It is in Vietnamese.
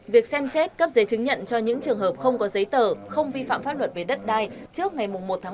việc xem xét cấp giấy chứng nhận cho những trường hợp không có giấy tờ không vi phạm pháp luật về đất đai trước ngày một bảy hai nghìn hai mươi bốn